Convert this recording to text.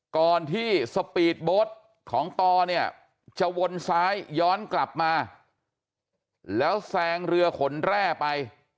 ก่อนที่สปีดโบ๊ทของตอเนี่ยจะวนซ้ายย้อนกลับมาแล้วแซงเรือขนแร่ไป